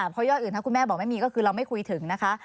เพราะยอดอื่นถ้าคุณแม่บอกไม่มีก็คือเราไม่คุยถึงนะคะ